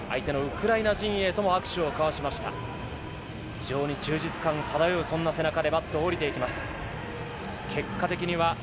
非常に充実感漂うそんな背中でマットを降りています。